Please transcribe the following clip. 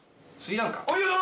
お見事！